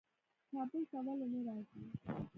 کابل ته ولي نه راځې؟